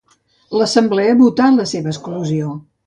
L'assemblea votà la seva exclusió.